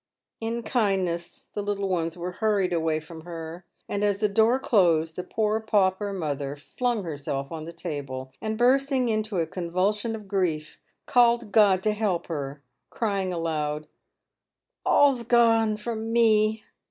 In kindness the little ones were hurried away from her, and as the door closed, the poor pauper mother flung herself on the table, and bursting into a convulsion of grief, called God to help her, crying aloud, " All's gone from me